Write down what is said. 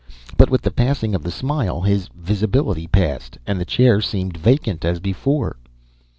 But with the passing of the smile his visibility passed, and the chair seemed vacant as before.